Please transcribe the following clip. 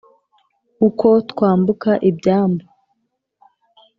uko twambuka ibyambu,